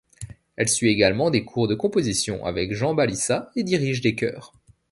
Elle suit également des cours de composition avec Jean Balissat et dirige des chœurs.